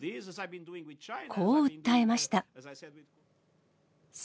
こう訴えました。